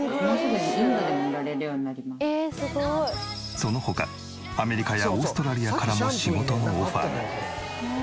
その他アメリカやオーストラリアからも仕事のオファーが。